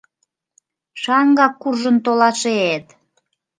Шаҥгак куржын толашет!..